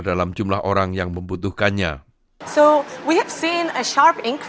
dalam jumlah orang yang membutuhkannya